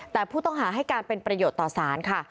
แต่ผู้ต้องหาให้การเป็นประโยชน์ต่อสารค่ะ